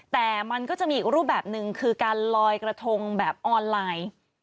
แต่มันก็จะมีอีกรูปแบบหนึ่งคือการลอยกระทงแบบออนไลน์